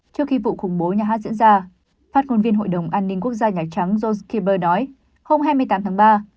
trước khi vụ khủng bố nhà hát diễn ra phát ngôn viên hội đồng an ninh quốc gia nhà trắng johnskyber nói hôm hai mươi tám tháng ba